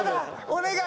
お願い！